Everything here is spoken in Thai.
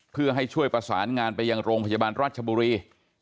เพื่อให้ช่วยประสานงานไปยังโรงพยาบาลราชบุรี